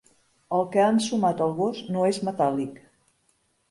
El que ha ensumat el gos no és metàl·lic.